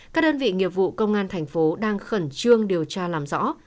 các đơn vị nghiệp vụ công an tp đang khẩn trương điều tra làm rõ